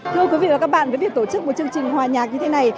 thưa quý vị và các bạn với việc tổ chức một chương trình hòa nhạc như thế này